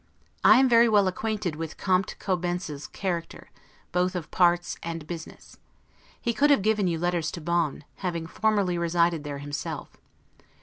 I am very well acquainted with Comte Cobentzel's character, both of parts and business. He could have given you letters to Bonn, having formerly resided there himself.